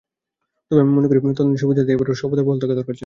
তবে আমি মনে করি, তদন্তের সুবিধার্থে এঁদের স্বপদে বহাল থাকা দরকার ছিল।